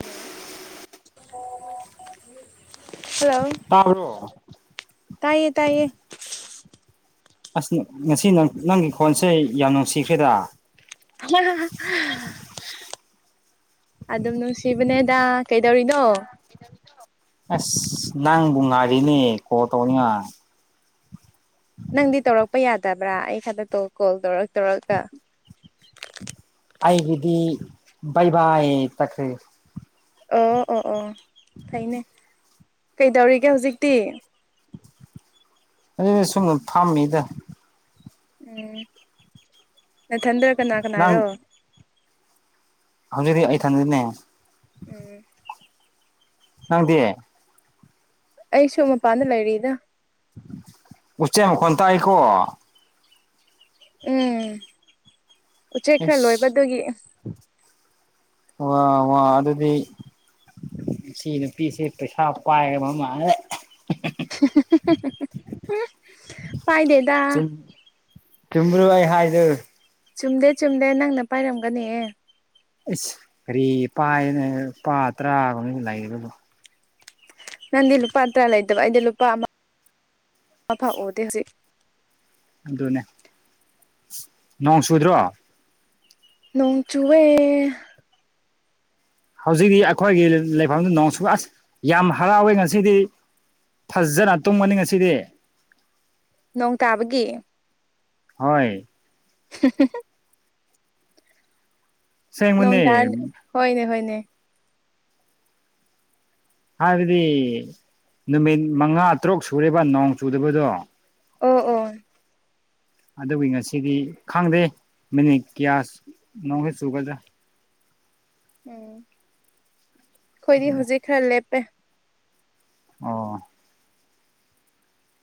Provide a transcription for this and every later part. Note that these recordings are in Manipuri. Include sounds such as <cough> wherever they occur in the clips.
ꯍꯜꯂꯣ <inaudible> ꯍꯜꯂꯣ ꯇꯥꯕ꯭ꯔꯣ ꯇꯥꯏꯌꯦ ꯇꯥꯏꯌꯦ ꯑꯁ ꯉꯁꯤ ꯅꯪ ꯅꯪꯒꯤ ꯈꯣꯟꯁꯦ ꯌꯥꯝ ꯅꯨꯡꯁꯤꯈ꯭ꯔꯦꯗ <unintelligible> ꯑꯗꯨꯝ ꯅꯨꯡꯁꯤꯕꯅꯦꯗ ꯀꯩꯗꯧꯔꯤꯅꯣ ꯑꯁ ꯅꯪꯕꯨ ꯉꯥꯏꯔꯤꯅꯦ ꯀꯣꯜ ꯇꯧꯅꯤꯉꯥꯏ ꯅꯪꯗꯤ ꯇꯧꯔꯛꯄ ꯌꯥꯗꯕ꯭ꯔꯥ ꯑꯩ ꯈꯟꯗꯛꯇꯣ ꯀꯣꯜ ꯀꫭꯜ ꯇꯧꯔꯛ ꯇꯧꯔꯒ ꯑꯩꯒꯤꯗꯤ ꯕꯥꯏ ꯕꯥꯏ ꯇꯈ꯭ꯔꯦ ꯑꯣ ꯑꯣ ꯑꯣ ꯐꯩꯅꯦ ꯀꯩꯗꯧꯔꯤꯒꯦ ꯍꯧꯖꯤꯛꯇꯤ ꯑꯩ ꯁꯨꯝꯅ ꯐꯝꯃꯤꯗ ꯎꯝ ꯅꯊꯟꯗ ꯀꯅꯥ ꯀꯅꯥꯔꯣ ꯍꯧꯖꯤꯛꯗꯤ ꯑꯩ ꯊꯟꯗꯅꯦ ꯎꯝ ꯅꯪꯗꯤ ꯑꯩꯁꯨ ꯃꯄꯥꯟꯗ ꯂꯩꯔꯤꯗ ꯎꯆꯦꯛ ꯃꯈꫭꯟ ꯍꯥꯏꯀꯣ ꯎꯝ ꯎꯆꯦꯛ ꯈꯔ ꯏꯁ ꯂꯣꯏꯕꯗꯨꯒꯤ ꯋꯥ ꯋꯥ ꯑꯗꯨꯗꯤ ꯁꯤꯒꯤ ꯅꯨꯄꯤꯁꯦ ꯄꯩꯁꯥ ꯄꯥꯏꯒꯕ ꯃꯥꯜꯂꯦ <unintelligible> ꯄꯥꯏ ꯗꯦ ꯆꯨꯝ ꯆꯨꯨꯝꯕ꯭ꯔꯣ ꯑꯩ ꯍꯥꯏꯗꫭ ꯆꯨꯝꯗꯦ ꯆꯨꯝꯗꯦ ꯅꯪꯅ ꯄꯥꯏꯔꯝꯒꯅꯤꯍꯦ ꯏꯁ ꯀꯔꯤꯒꯤ ꯄꯥꯏꯕꯅꯣꯍꯦ ꯂꯨꯄꯥ ꯇꯔꯥꯒꯨꯝꯕ ꯂꯩꯕꯕꯨ ꯅꯪꯗꯤ ꯂꯨꯄꯥ ꯇꯔꯥ ꯂꯩꯇꯕ ꯑꯩꯗꯤ ꯂꯨꯄꯥ ꯑꯃ ꯑꯃ ꯐꯥꯎ ꯎꯗꯦ ꯍꯧꯖꯤꯛ ꯑꯗꯨꯅꯦ ꯅꯣꯡ ꯆꯨꯗ꯭ꯔꯣ ꯅꯣꯡ ꯆꯨꯋꯦ ꯍꯧꯖꯤꯛꯇꯤ ꯑꯩꯈꯣꯏꯒꯤ ꯂꯩꯐꯝꯗꯨ ꯅꯣꯡ ꯆꯨꯑꯦ ꯑꯁ ꯌꯥꯝ ꯍꯔꯥꯎꯋꯦ ꯉꯁꯤꯗꯤ ꯐꯖꯅ ꯇꯨꯝꯒꯅꯤ ꯉꯁꯤꯗꯤ ꯅꯣꯡ ꯇꯥꯕꯒꯤ ꯍꯣꯏ <unintelligible> ꯅꯣꯡ ꯑꯁꯦꯡꯕꯅꯦ <unintelligible> ꯍꯣꯏꯅꯦ ꯍꯣꯏꯅꯦ ꯍꯥꯏꯕꯗꯤ ꯅꯨꯃꯤꯠ ꯃꯉꯥ ꯇꯔꯨꯛ ꯁꯨꯔꯦꯕ ꯅꯣꯡ ꯆꯨꯗꯕꯗꯣ ꯑꯣ ꯑꯣ ꯑꯗꯨꯒꯤ ꯉꯁꯤꯗꯤ ꯈꯪꯗꯦ ꯃꯤꯅꯤꯠ ꯀꯌꯥꯁ ꯅꯣꯡꯁꯨ ꯆꯨꯒꯗ꯭ꯔꯥ ꯎꯝ ꯑꯩꯈꯣꯏꯗꯤ ꯑꯗꯨꯅꯦ ꯍꯧꯖꯤꯛ ꯈꯔ ꯂꯦꯞꯄꯦ ꯑꯣ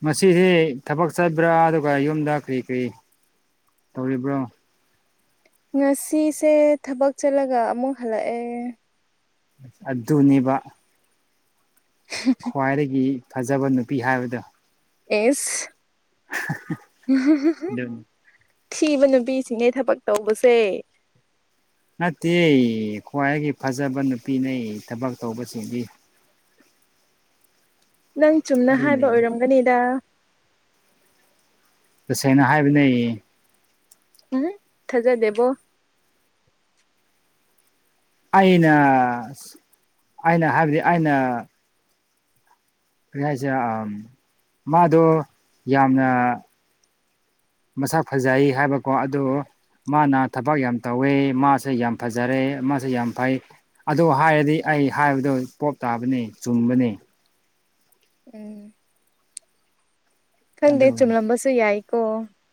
ꯉꯁꯤꯗꯤ ꯊꯕꯛ ꯆꯠꯕ꯭ꯔꯥ ꯑꯗꯨꯒ ꯌꯨꯝꯗ ꯀꯔꯤ ꯀꯔꯤ ꯇꯧꯔꯤꯕ꯭ꯔꯣ ꯉꯁꯤꯁꯦ ꯊꯕꯛ ꯆꯠꯂꯒ ꯑꯃꯨꯛ ꯍꯜꯂꯛꯑꯦ ꯑꯗꯨꯅꯤꯕ <unintelligible> ꯈ꯭ꯋꯥꯏꯗꯒꯤ ꯐꯖꯕ ꯅꯨꯄꯤ ꯍꯥꯏꯕꯗꯣ ꯑꯦꯁ <unintelligible> ꯑꯗꯨꯅꯤ ꯊꯤꯕ ꯅꯨꯄꯤꯁꯤꯡꯅꯦ ꯊꯕꯛ ꯇꯧꯕꯁꯦ ꯅꯠꯇꯦ ꯈ꯭ꯋꯥꯏꯒꯤ ꯐꯖꯕ ꯅꯨꯄꯤꯅꯦ ꯊꯕꯛ ꯇꯧꯕꯁꯤꯡꯗꯤ ꯅꯪ ꯆꯨꯝꯅ ꯍꯥꯏꯕ ꯑꯗꯨꯅꯦ ꯑꯣꯏꯔꯝꯒꯅꯤꯗ ꯇꯁꯦꯡꯅ ꯍꯥꯏꯕꯅꯦ ꯎꯝ ꯊꯖꯗꯦꯕꯣ ꯑꯩꯅ ꯑꯩꯅ ꯍꯥꯏꯕꯗꯤ ꯑꯩꯅ ꯀꯔꯤ ꯍꯥꯏꯁꯤꯔꯥ ꯑꯝ ꯃꯥꯗꯣ ꯌꯥꯝꯅ ꯃꯁꯛ ꯐꯖꯩ ꯍꯥꯏꯕꯀꯣ ꯑꯗꯣ ꯃꯥꯅ ꯊꯕꯛ ꯌꯥꯝ ꯇꯧꯋꯦ ꯃꯥꯁꯦ ꯌꯥꯝ ꯐꯖꯔꯦ ꯃꯥꯁꯦ ꯌꯥꯝ ꯐꯩ ꯑꯗꯣ ꯍꯥꯏꯔꯗꯤ ꯑꯩ ꯍꯥꯏꯕꯗꯣ ꯄꯣꯞ ꯇꯥꯕꯅꯤ ꯆꯨꯝꯕꯅꯤ ꯎꯝ ꯈꯪꯗꯦ ꯑꯗꯨꯅꯤ ꯆꯨꯝꯂꯝꯕꯁꯨ ꯌꯥꯏꯀꯣ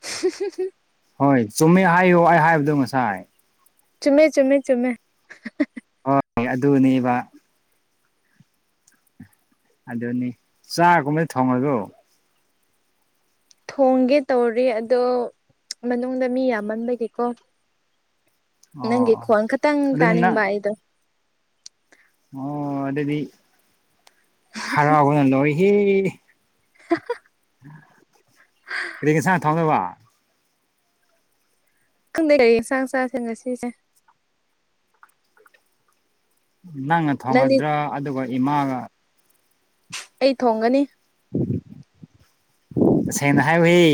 <unintelligible> ꯍꯣꯏ ꯆꯨꯝꯃꯦ ꯍꯥꯏꯌꯣ ꯑꯩ ꯍꯥꯏꯕꯗꯣ ꯉꯁꯥꯏ ꯆꯨꯝꯃꯦ ꯆꯨꯝꯃꯦ ꯆꯨꯝꯃꯦ ꯍꯣꯏ ꯑꯗꯨꯅꯤꯕ ꯑꯗꯨꯅꯤ ꯆꯥꯛꯒꯨꯝꯕꯗꯤ ꯊꯣꯡꯉꫭꯏꯗ꯭ꯔꫭ ꯊꯣꯡꯒꯦ ꯇꯧꯔꯤ ꯑꯗꯣ ꯃꯅꯨꯡꯗ ꯃꯤ ꯌꯥꯝꯃꯟꯕꯒꯤꯀꯣ ꯅꯪꯒꯤ ꯑꯣ ꯈꯣꯟ ꯈꯇꯪ ꯑꯗꯨꯅ ꯅꯪ ꯇꯥꯅꯤꯡꯕ ꯑꯩꯗꯣ ꯑꯣ ꯑꯗꯨꯗꯤ ꯍꯔꯥꯎꯕꯅ ꯂꯣꯏꯍꯦ <unintelligible> ꯀꯔꯤ ꯏꯟꯁꯥꯡ ꯊꯣꯡꯗꫭꯕ ꯈꯪꯗꯦ ꯀꯔꯤ ꯏꯟꯁꯥꯡ ꯆꯥꯁꯤꯔꯥ ꯉꯁꯤꯁꯦ ꯅꯪꯅ ꯅꯪꯗꯤ ꯊꯣꯡꯉꯗ꯭ꯔ ꯑꯗꯨꯒ ꯏꯃꯥꯒ ꯑꯩ ꯊꯣꯡꯒꯅꯤ ꯇꯁꯦꯡꯅ ꯍꯥꯏꯌꯣꯍꯦ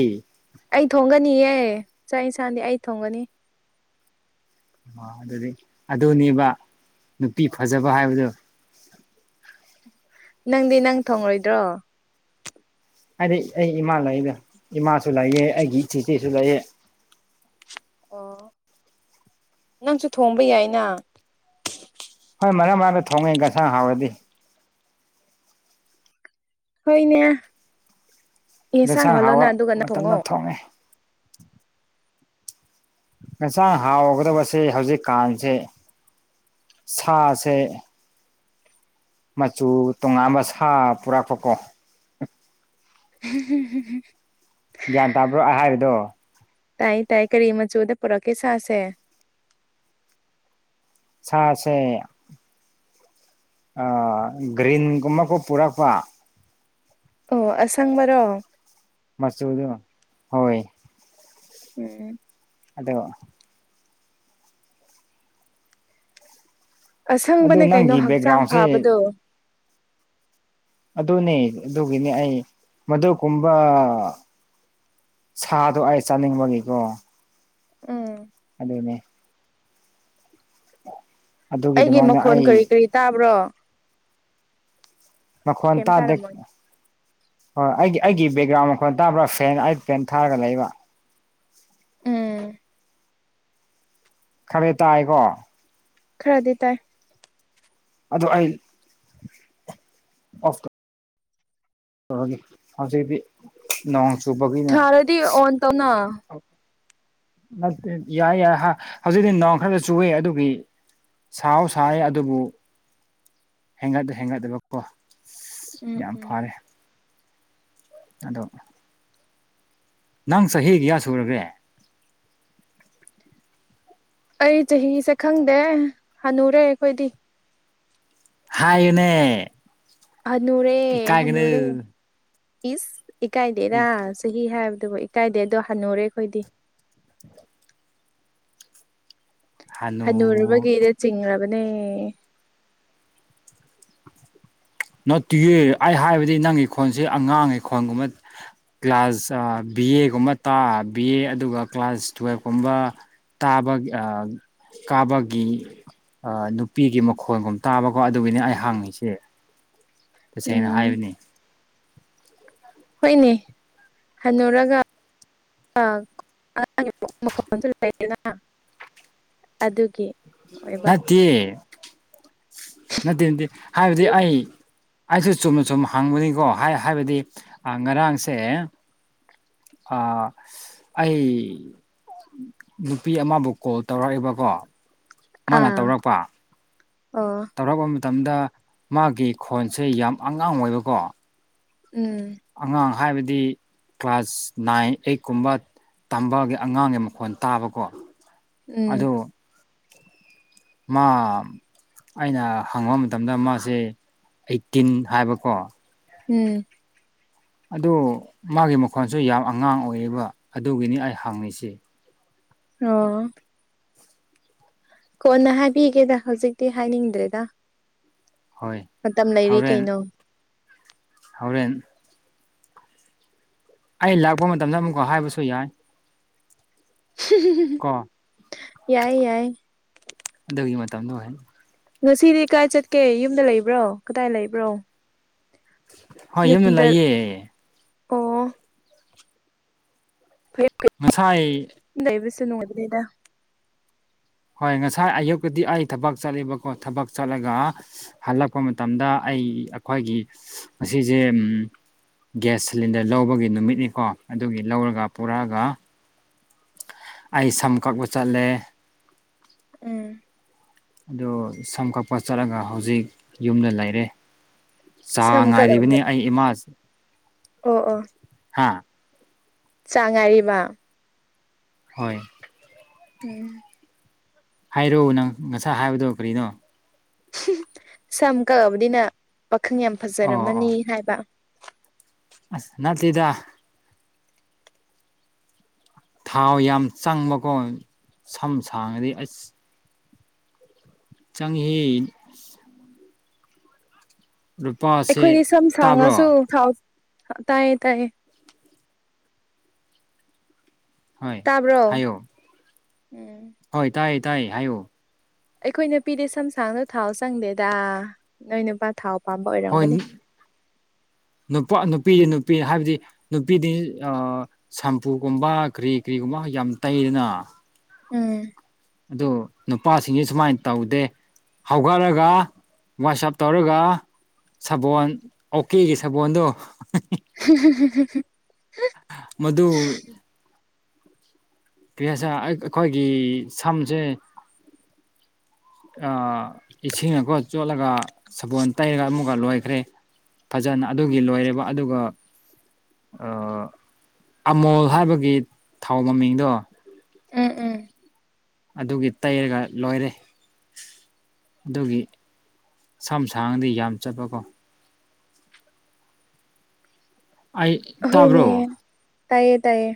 ꯑꯩ ꯊꯣꯡꯒꯅꯤꯌꯦ ꯆꯥꯛ ꯏꯟꯁꯥꯡꯗꯤ ꯑꯩ ꯊꯣꯡꯒꯅꯤ ꯑꯥ ꯑꯗꯨꯗꯤ ꯑꯗꯨꯅꯦꯕ ꯅꯨꯄꯤ ꯐꯖꯕ ꯍꯥꯏꯕꯗꯣ ꯅꯪꯗꯤ ꯅꯪ ꯊꯣꯡꯂꯣꯏꯗ꯭ꯔꯣ ꯍꯥꯏꯗꯤ ꯑꯩ ꯏꯃꯥ ꯂꯩꯗꯥ ꯏꯃꯥꯁꯨ ꯂꯩꯌꯦ ꯑꯩꯒꯤ ꯆꯦꯆꯦꯁꯨ ꯂꯩꯌꯦ ꯑꯣ ꯅꯪꯁꯨ ꯊꯣꯡꯕ ꯌꯥꯏꯅ ꯍꯣꯏ ꯃꯔꯛ ꯃꯔꯛꯗ ꯊꯣꯡꯉꯦ ꯒꯁꯥꯡ ꯍꯥꯎꯔꯗꯤ ꯍꯣꯏꯅꯦ ꯑꯦꯁꯥꯡ ꯌꯦꯟꯁꯥꯡ ꯍꯥꯎꯍꯜꯂꯣꯅ ꯍꯥꯎꯕ ꯑꯗꯨꯒ ꯉꯥꯟꯅ ꯊꯣꯡꯉꯣ ꯃꯇꯝꯗ ꯊꯣꯡꯉꯦ ꯏꯦꯟꯁꯥꯡ ꯍꯥꯎꯒꯗꯕꯁꯦ ꯍꯧꯖꯤꯛꯀꯥꯟꯁꯦ ꯁꯥꯁꯦ ꯃꯆꯨ ꯇꯣꯉꯥꯟꯕ ꯁꯥ ꯄꯨꯔꯛꯄ ꯀꯣ <unintelligible> ꯒ꯭ꯌꯥꯟ ꯇꯥꯕ꯭ꯔꯣ ꯑꯩ ꯍꯥꯏꯔꯤꯗꯣ ꯇꯥꯏ ꯇꯥꯏ ꯀꯔꯤ ꯃꯆꯨꯗꯥ ꯄꯨꯔꯛꯀꯦ ꯁꯥꯥꯁꯦ ꯁꯥꯁꯦ ꯑꯥ ꯒ꯭ꯔꯤꯟꯒꯨꯝꯕꯀꯣ ꯄꯨꯔꯛꯄ ꯑꯣ ꯑꯁꯪꯕꯔꯣ ꯃꯆꯨꯗꯣ ꯍꯣꯏ ꯎꯝ ꯑꯗꯣ ꯑꯗꯨ ꯑꯁꯪꯕꯅꯦ ꯀꯩꯅꯣ ꯅꯪꯒꯤ ꯍꯛꯆꯥꯡ ꯕꯦꯛꯒ꯭ꯔꯥꯎꯟꯁꯦ ꯐꯥꯕꯗꯣ ꯑꯗꯨꯅꯦ ꯑꯗꯨꯒꯤꯅꯦ ꯑꯩ ꯃꯗꯨꯀꯨꯝꯕ ꯁꯥꯗꯣ ꯑꯩ ꯆꯥꯅꯤꯡꯕꯒꯤꯀꯣ ꯎꯝ ꯑꯗꯨꯅꯦ <inaudible> ꯑꯩꯒꯤ ꯃꯈꯣꯟ ꯑꯩ ꯀꯔꯤ ꯀꯔꯤ ꯇꯥꯕ꯭ꯔꯣ ꯃꯈꯣꯟ ꯀꯩꯝ ꯇꯥꯗꯦ ꯇꯥꯔꯝꯃꯣꯏ ꯍꯣꯏ ꯑꯩꯒꯤ ꯑꯩꯒꯤ ꯕꯦꯛꯒ꯭ꯔꯥꯎꯟ ꯃꯈꯣꯟ ꯇꯥꯕ꯭ꯔꯥ ꯐꯦꯟ ꯑꯩ ꯐꯦꯟ ꯊꯥꯔꯒꯥ ꯂꯩꯕ ꯎꯝ ꯈꯥꯔꯦ ꯇꯥꯏꯀꯣ ꯈꯔꯥꯗꯤ ꯇꯥꯏ ꯑꯗꯨ ꯑꯩ <unintelligible> ꯇꯧꯔꯒꯦ ꯍꯧꯖꯤꯛꯗꯤ ꯅꯣꯡ ꯆꯨꯕꯒꯤ ꯊꯔꯗꯤ ꯑꯣꯟ ꯇꯧꯅ ꯅꯠꯇꯦ ꯌꯥꯏ ꯌꯥꯏ ꯍꯧꯖꯤꯛꯇꯤ ꯅꯣꯡ ꯈꯔ ꯈꯔ ꯆꯨꯋꯦ ꯑꯗꯨꯒꯤ ꯁꯥꯎ ꯁꯥꯏ ꯑꯗꯨꯕꯨ ꯍꯦꯟꯒꯠ ꯍꯦꯟꯒꯠꯇꯕꯀꯣ ꯎꯝ ꯌꯥꯝ ꯎꯝ ꯐꯔꯦ ꯑꯗꯣ ꯅꯪ ꯆꯍꯤ ꯒꯌꯥ ꯁꯨꯔꯒꯦ ꯑꯩ ꯆꯍꯤꯁꯦ ꯈꯪꯗꯦ ꯍꯥꯟꯅꯨꯔꯦ ꯑꯩꯈꯣꯏꯗꯤ ꯍꯥꯏꯌꯨꯅꯦ ꯍꯥꯅꯨꯔꯦ ꯍꯥꯅꯨꯔꯦ ꯏꯀꯥꯏꯒꯅꯨ ꯏꯁ ꯏꯀꯥꯏꯗꯦꯔ ꯆꯍꯤ ꯍꯥꯏꯕꯗꯨꯕꯨ ꯏꯀꯥꯏꯗꯦ ꯑꯗꯣ ꯍꯟꯅꯨꯔꯦ ꯑꯩꯈꯣꯏꯗꯤ <inaudible> ꯍꯅꯨ ꯍꯟꯅꯨꯨꯔꯕꯒꯤꯗ ꯆꯤꯡꯔꯥꯕꯅꯦ ꯅꯠꯇꯤꯌꯦ ꯑꯩ ꯍꯥꯏꯕꯗꯤ ꯅꯪꯒꯤ ꯈꯣꯟꯁꯤ ꯑꯉꯥꯡꯒꯤ ꯈꯣꯟꯒꯨꯝꯕ ꯀ꯭ꯂꯥꯁ ꯕꯤ ꯑꯦꯒꯨꯝꯕ ꯇꯥ ꯕꯤ ꯑꯦ ꯑꯗꯨꯒ ꯀ꯭ꯂꯥꯁ ꯇꯨꯋꯦꯜꯐꯀꯨꯝꯕ ꯇꯥꯕꯒꯤ ꯑꯥ ꯀꯥꯕꯒꯤ ꯅꯨꯄꯤꯒꯤ ꯃꯈꯣꯟꯒꯨꯝ ꯇꯥꯕꯀꯣ ꯑꯗꯨꯒꯤꯅꯤ ꯑꯩ ꯍꯥꯡꯉꯤꯁꯤ ꯇꯥꯁꯦꯡꯅ ꯎꯝ ꯍꯥꯏꯕꯅꯤ ꯍꯣꯏꯅꯦ ꯍꯟꯅꯨꯔꯒ <unintelligible> ꯑꯗꯨꯒꯤ ꯑꯣꯏꯕ ꯅꯠꯇꯤꯌꯦ ꯅꯠꯇꯦ ꯅꯠꯇꯦ ꯍꯥꯏꯕꯗꯤ ꯑꯩ ꯑꯩꯁꯨ ꯆꯨꯝꯅ ꯆꯨꯝ ꯍꯪꯕꯅꯤꯀꯣ ꯍꯥꯏꯕꯗꯤ ꯉꯔꯥꯡꯁꯦ ꯑ ꯑꯩ ꯅꯨꯄꯤ ꯑꯃꯕꯨ ꯀꯣꯜ ꯇꯧꯔꯛꯏꯕꯀꯣ ꯃꯥꯅ ꯑꯥ ꯇꯧꯔꯛꯄ ꯑꯣ ꯇꯧꯔꯛꯄ ꯃꯇꯝꯗ ꯃꯥꯒꯤ ꯈꯣꯟꯁꯦ ꯌꯥꯝ ꯑꯉꯥꯡ ꯑꯣꯏꯕꯀꯣ ꯎꯝ ꯑꯉꯥꯡ ꯍꯥꯏꯕꯗꯤ ꯀ꯭ꯂꯥꯁ ꯅꯥꯏꯟ ꯑꯩꯠ ꯀꯨꯝꯕ ꯇꯝꯕꯒꯤ ꯑꯉꯥꯡꯒꯤ ꯃꯈꯣꯟ ꯇꯥꯕꯀꯣ ꯎꯝ ꯑꯗꯨ ꯃꯥ ꯑꯩꯅ ꯍꯪꯕ ꯃꯇꯝꯗ ꯃꯥꯁꯦ ꯑꯩꯇꯤꯟ ꯍꯥꯏꯕꯀꯣ ꯎꯝ ꯑꯗꯨ ꯃꯥꯒꯤ ꯃꯈꯣꯟꯁꯨ ꯌꯥꯝ ꯑꯉꯥꯡ ꯑꯣꯏꯌꯦꯕ ꯑꯗꯨꯒꯤꯅꯤ ꯑꯩꯅ ꯍꯪꯉꯤꯁꯤ ꯑꯣ ꯀꯣꯟꯅ ꯍꯥꯏꯕꯤꯒꯦꯗ ꯍꯧꯖꯤꯛꯇꯤ ꯍꯥꯏꯅꯤꯡꯗ꯭ꯔꯦꯗ ꯍꯣꯏ ꯃꯇꯝ ꯂꯩꯔꯤ ꯀꯩꯅꯣ ꯍꯧꯔꯦꯟ ꯑꯩ ꯂꯥꯛꯄ ꯃꯇꯝꯗ ꯑꯃꯨꯛꯀ ꯍꯥꯏꯕꯁꯨ ꯌꯥꯏ ꯀꯣ ꯌꯥꯏ ꯌꯥꯏ ꯑꯗꯨꯒꯤ ꯃꯇꯝꯗꯣ ꯍꯣꯏ ꯉꯁꯤꯗꯤ ꯀꯥꯏ ꯆꯠꯀꯦ ꯌꯨꯝꯗ ꯂꯩꯕ꯭ꯔꯣ ꯀꯗꯥꯏ ꯂꯩꯕ꯭ꯔꯣ ꯍꯣꯏ ꯌꯨꯝꯗ ꯂꯩꯌꯦ ꯑꯣ <unintelligible> <inaudible> ꯉꯁꯥꯏ ꯂꯩꯕꯤꯁꯨ ꯅꯨꯉꯥꯏꯅꯤꯗ ꯍꯣꯏ ꯉꯁꯥꯏ ꯑꯌꯨꯛꯇꯗꯤ ꯑꯩ ꯊꯕꯛ ꯆꯠꯂꯤꯕꯀꯣ ꯊꯕꯛ ꯆꯠꯂꯒ ꯍꯜꯂꯛꯄ ꯃꯇꯝꯗ ꯑꯩ ꯑꯩꯈꯣꯏꯒꯤ ꯃꯁꯤꯁꯦ ꯒ꯭ꯌꯥꯁ ꯁꯤꯂꯤꯟꯗꯔ ꯂꯧꯕꯒꯤ ꯅꯨꯃꯤꯠꯅꯤꯀꯣ ꯑꯗꯨꯒꯤ ꯂꯧꯔꯒ ꯄꯨꯔꯛꯑꯒ ꯑꯩ ꯁꯝ ꯀꯛꯄ ꯆꯠꯂꯦ ꯎꯝ ꯑꯗꯣ ꯁꯝ ꯀꯛꯄ ꯆꯠꯂꯒ ꯍꯧꯖꯤꯛ ꯌꯨꯝꯗ ꯂꯩꯔꯦ ꯁꯝ ꯆꯥ ꯀꯥꯛꯑꯒ ꯉꯥꯏꯔꯤꯕꯅꯤ ꯑꯩ ꯏꯃꯥ ꯑꯣ ꯑꯣ ꯍꯥꯥ ꯆꯥꯛ ꯉꯥꯏꯔꯤꯕ ꯍꯣꯏ <unintelligible> ꯍꯥꯏꯔꯛꯑꯣ ꯅꯪ ꯉꯁꯥꯏ ꯍꯥꯏꯕꯗꯣ ꯀꯔꯤꯅꯣ <unintelligible> ꯁꯝ ꯀꯛꯑꯕꯅꯤꯅ ꯄꯥꯈꯪ ꯌꯥꯝ ꯑꯣ ꯐꯖꯔꯝꯃꯅꯤ ꯍꯥꯏꯕ ꯑꯥꯁ ꯅꯠꯇꯦꯗ ꯊꯥꯎ ꯌꯥꯝ ꯆꯪꯕꯀꯣ ꯁꯝ ꯁꯥꯡꯉꯗꯤ ꯑꯩꯁ ꯆꯪꯉꯤꯍꯦ ꯂꯨꯄꯥꯁꯦ ꯑꯩꯈꯣꯏꯗꯤ ꯁꯝ ꯇꯥꯕ꯭ꯔꯣ ꯁꯥꯡꯉꯁꯨ ꯊꯥꯎ ꯇꯥꯏꯌꯦ ꯇꯥꯏꯌꯦ ꯍꯣꯏ ꯇꯥꯕ꯭ꯔꯣ ꯍꯥꯏꯌꯣ ꯎꯝ ꯍꯣꯏ ꯇꯥꯏꯌꯦ ꯇꯥꯏꯌꯦ ꯍꯥꯏꯌꯣ ꯑꯩꯈꯣꯏ ꯅꯨꯄꯤꯗꯤ ꯁꯝꯁꯥꯡꯉ ꯊꯥꯎ ꯆꯪꯗꯦꯗ ꯅꯣꯏ ꯅꯨꯄꯥ ꯊꯥꯎ ꯄꯥꯝꯕ ꯍꯣꯏ ꯑꯣꯏꯔꯝꯒꯅꯤ ꯅꯨꯄꯥ ꯅꯨꯄꯤꯗꯤ ꯅꯨꯄꯤ ꯍꯥꯏꯕꯗꯤ ꯅꯨꯄꯤꯗꯤ ꯑꯥ ꯁꯝꯄꯨꯒꯨꯝꯕ ꯀꯔꯤ ꯀꯔꯤꯒꯨꯝꯕ ꯌꯥꯝ ꯇꯩꯗꯅ ꯎꯝ ꯑꯗꯣ ꯅꯨꯄꯥꯁꯤꯡꯁꯤ ꯁꯨꯃꯥꯏꯟ ꯇꯧꯗꯦ ꯍꯧꯒꯠꯂꯒ ꯋꯥꯆꯞ ꯇꯧꯔꯒ ꯁꯥꯕꯣꯜ ꯑꯣꯀꯦꯒꯤ ꯁꯥꯕꯜꯗꯨ <unintelligible> <unintelligible> ꯃꯗꯨ ꯀꯔꯤ ꯍꯥꯢꯁꯤꯔ ꯑꯩꯈꯣꯏꯒꯤ ꯁꯝꯁꯦ ꯑꯥ ꯏꯁꯤꯡꯅꯀꯣ ꯆꯣꯠꯂꯒ ꯁꯕꯣꯜ ꯇꯩꯔꯒ ꯑꯃꯨꯛ ꯂꯣꯏꯈ꯭ꯔꯦ ꯐꯖꯅ ꯑꯗꯨꯒꯤ ꯂꯣꯏꯔꯦꯕ ꯑꯗꯨꯒ ꯑꯃꯣꯜ ꯍꯥꯏꯕꯒꯤ ꯊꯥꯎ ꯃꯃꯤꯡꯗꯣ ꯎꯝ ꯎꯝ ꯑꯗꯨꯒꯤ ꯇꯩꯔꯒ ꯂꯣꯏꯔꯦ ꯑꯗꯨꯒꯤ ꯁꯝ ꯁꯥꯡꯑꯗꯤ ꯌꯥꯝ ꯆꯠꯄꯀꯣ ꯑꯩ ꯍꯣꯢꯅꯦ ꯇꯥꯕ꯭ꯔꯣ ꯇꯌꯦ ꯇꯥꯏꯌꯦ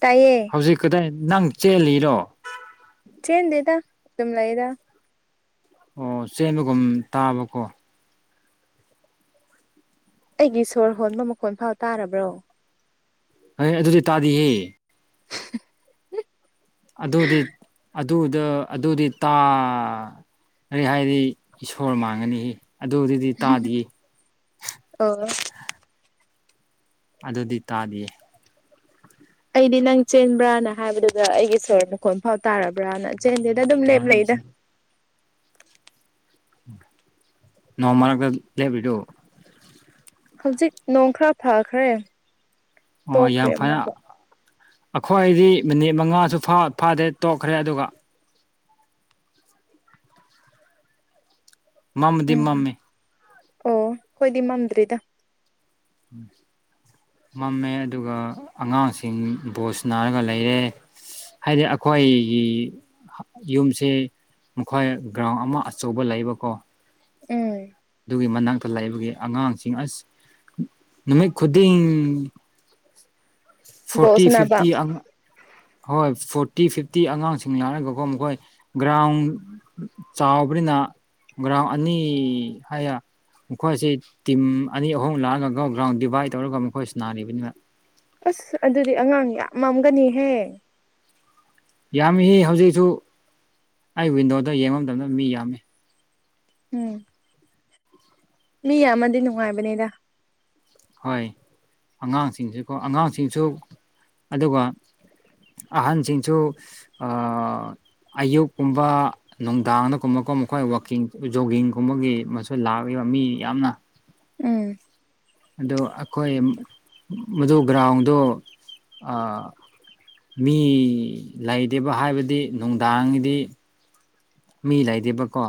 ꯇꯌꯦ ꯍꯧꯖꯤꯛ ꯀꯗꯥꯏ ꯅꯪ ꯆꯦꯜꯂꯤꯔꯣ ꯆꯦꯟꯗꯦꯗ ꯑꯗꯨꯝ ꯂꯩꯌꯦꯗ ꯑꯣ ꯆꯦꯟꯕꯒꯨꯝ ꯇꯥꯕꯀꯣ ꯑꯩꯒꯤ ꯁꯣꯔ ꯍꯣꯟꯕ ꯃꯈꯣꯟ ꯐꯥꯎ ꯇꯥꯔꯕ꯭ꯔꯣ <unintelligible> ꯑꯗꯨꯗꯤ ꯇꯥꯗꯦꯍꯦ ꯑꯗꯨꯗꯤ ꯑꯗꯨꯗ ꯑꯗꯨꯗꯤ ꯇꯥ ꯀꯔꯤ ꯍꯥꯏꯗꯤ ꯏꯁꯣꯔ ꯃꯥꯡꯒꯅꯤ ꯑꯗꯨꯗꯨꯗꯤ ꯇꯥꯗꯤꯌꯦ ꯑꯣ ꯑꯗꯨꯗꯤ ꯇꯥꯗꯤꯌꯦ ꯑꯩꯗꯤ ꯅꯪ ꯆꯦꯟꯕ꯭ꯔꯅ ꯍꯥꯏꯕꯗꯨꯗ ꯑꯩꯒꯤ ꯏꯁꯣꯔ ꯃꯈꯣꯟꯜ ꯐꯥꯎ ꯇꯥꯔꯕ꯭ꯔꯥꯅ ꯆꯦꯟꯗꯦꯗ ꯑꯗꯨꯝ ꯂꯦꯞ ꯂꯩꯗ ꯅꯣꯡꯃꯔꯛꯗ ꯂꯦꯞꯔꯤꯗꯨ ꯍꯧꯖꯤꯛ ꯅꯣꯡ ꯈꯔ ꯐꯥꯈ꯭ꯔꯦ ꯑꯣ ꯌꯥꯝ ꯐꯅ ꯑꯩꯈꯣꯏꯗꯤ ꯃꯤꯅꯤꯠ ꯃꯉꯥꯁꯨ ꯐꯥꯗꯦ ꯇꯣꯛꯈ꯭ꯔꯦ ꯑꯗꯨꯒ ꯃꯃꯗꯤ ꯎꯝ ꯃꯝꯃꯦ ꯑꯣ ꯑꯈꯣꯏꯗꯤ ꯃꯝꯗ꯭ꯔꯤꯗ <inaudible> ꯃꯝꯃꯦ ꯑꯗꯨꯒ ꯑꯉꯥꯡꯁꯤꯡ ꯕꯣꯜ ꯁꯅꯥꯔꯒ ꯂꯩꯔꯦ ꯍꯥꯏꯗꯤ ꯑꯈꯣꯏꯒꯤ ꯌꯨꯝꯁꯦ ꯃꯈꯣꯏ ꯒ꯭ꯔꯥꯎꯟ ꯑꯃ ꯑꯆꯧꯕ ꯂꯩꯕꯀꯣ ꯎꯝ ꯑꯗꯨꯒꯤ ꯃꯅꯥꯛꯇ ꯂꯥꯩꯕꯒꯤ ꯑꯉꯥꯡꯁꯤꯡ ꯑꯁ ꯅꯨꯃꯤꯠ ꯈꯨꯗꯤꯡ ꯕꯣꯜ ꯐꯣꯔꯇꯤ ꯁꯥꯟꯅꯕ ꯐꯤꯞꯇꯤ ꯑꯉ ꯍꯣꯏ ꯐꯣꯔꯇꯤ ꯐꯤꯐꯇꯤ ꯑꯉꯥꯡꯁꯤꯡ ꯂꯥꯛꯔꯒꯀꯣ ꯃꯈꯣꯏ ꯒ꯭ꯔꯥꯎꯟ ꯆꯥꯎꯕꯅꯤꯅ ꯒ꯭ꯔꯥꯥꯎꯟ ꯑꯅꯤ ꯍꯥꯏꯌꯦ ꯃꯈꯣꯏꯁꯤ ꯇꯤꯝ ꯑꯅꯤ ꯑꯍꯨꯝ ꯂꯥꯛꯑꯒ ꯒ꯭ꯔꯥꯎꯟ ꯗꯤꯚꯥꯏꯠ ꯇꯧꯔꯒ ꯃꯈꯣꯏ ꯁꯅꯥꯔꯤꯕꯅꯤꯕꯥ ꯑꯁ ꯑꯗꯨꯗꯤ ꯑꯉꯥꯡ ꯌꯥꯝ ꯃꯝꯒꯅꯤꯍꯦ ꯌꯥꯝꯃꯤꯁꯤ ꯍꯧꯖꯤꯛꯁꯨ ꯑꯩ ꯋꯤꯟꯗꯣꯗ ꯌꯦꯡꯕ ꯃꯇꯝꯗ ꯃꯤ ꯌꯥꯝꯃꯤ ꯎꯝ ꯃꯤ ꯌꯥꯝꯃꯗꯤ ꯅꯨꯡꯉꯥꯏꯕꯅꯦꯗ ꯍꯣꯏ ꯑꯉꯥꯡꯁꯤꯡꯁꯨꯀꯣ ꯑꯉꯥꯡꯁꯤꯡꯁꯨ ꯑꯗꯨꯒ ꯑꯍꯟꯁꯤꯡꯁꯨ ꯑꯌꯨꯛꯀꯨꯝꯕ ꯅꯨꯡꯗꯥꯡꯗ ꯀꯨꯝꯕꯀꯨꯝ ꯃꯈꯣꯏ ꯋꯥꯛꯀꯤꯡ ꯖꯣꯒꯤꯡꯒꯨꯝꯕꯒꯤ ꯃꯣꯏꯁꯨ ꯂꯥꯛꯔꯒꯕ ꯃꯤ ꯌꯥꯝꯅ ꯎꯝ ꯑꯗꯨ ꯑꯩꯈꯣꯏ ꯃꯗꯨ ꯒ꯭ꯔꯥꯎꯟꯗꯣ ꯑꯥ ꯃꯤ ꯂꯩꯗꯦꯕ ꯍꯥꯏꯕꯗꯤ ꯅꯨꯡꯗꯥꯡꯒꯤꯗꯤ ꯃꯤ ꯂꯩꯗꯦꯕꯀꯣ